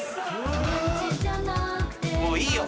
もういいよ。